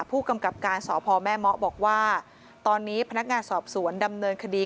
ผู้กำกับการสพแม่เมาะบอกว่าตอนนี้พนักงานสอบสวนดำเนินคดี